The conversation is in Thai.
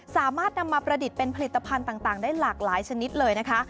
สามารถนำมาประดิษฐ์เป็นผลิตภัณฑ์ต่างได้หลากหลายชนิดเลยนะคะ